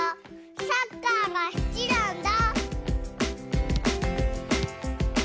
サッカーが好きなんだ。